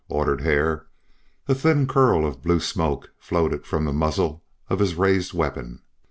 ordered Hare. A thin curl of blue smoke floated from the muzzle of his raised weapon.